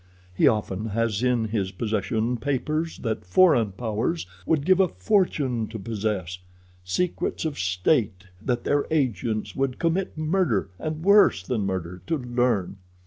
He often has in his possession papers that foreign powers would give a fortune to possess—secrets of state that their agents would commit murder and worse than murder to learn.